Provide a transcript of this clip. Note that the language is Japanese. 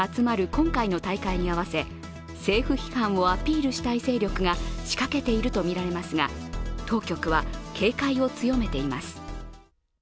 今回の大会に合わせ、政府批判をアピールしたい勢力が仕掛けているとみられますが当局は警戒を強めています。